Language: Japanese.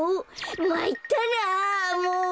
まいったなもう。